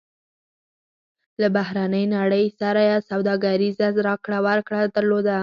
له بهرنۍ نړۍ سره سوداګریزه راکړه ورکړه درلوده.